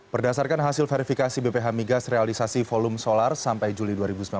berdasarkan hasil verifikasi bph migas realisasi volume solar sampai juli dua ribu sembilan belas